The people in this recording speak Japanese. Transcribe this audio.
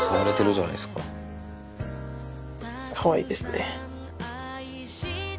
かわいいですね。